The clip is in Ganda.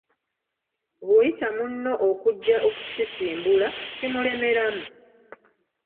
Bw'oyita munno okujja okukisimbula, kimulemeramu.